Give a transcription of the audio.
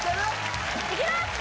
いきます